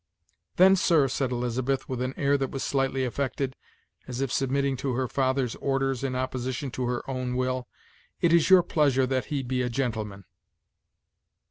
"Then, sir," said Elizabeth, with an air that was slightly affected, as if submitting to her father's orders in opposition to her own will, "it is your pleasure that he be a gentleman."